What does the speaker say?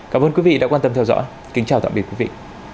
cảm ơn quý vị đã quan tâm theo dõi kính chào tạm biệt quý vị